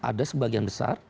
ada sebagian besar